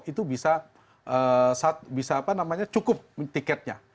itu bisa cukup tiketnya